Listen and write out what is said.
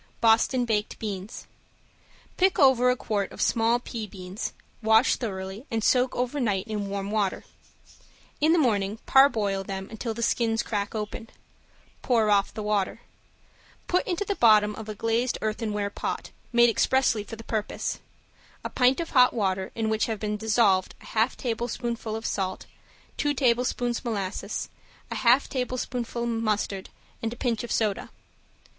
~BOSTON BAKED BEANS~ Pick over a quart of small pea beans, wash thoroughly and soak over night in warm water. In the morning parboil them until the skins crack open. Pour off the water. Put into the bottom of a glazed earthenware pot, made expressly for the purpose, a pint of hot water in which have been dissolved a half tablespoonful salt, two tablespoonfuls molasses, a half teaspoonful mustard, and a pinch of soda.